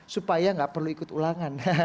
supaya nggak perlu ikut ulangan